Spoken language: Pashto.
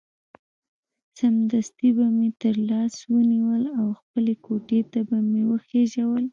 سمدستي به مې تر لاس ونیول او خپلې کوټې ته به مې وخېژول.